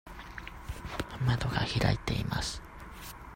窓が開いています。